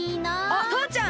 あっとうちゃん！